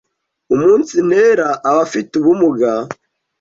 umunsi ntera abafite ubumuga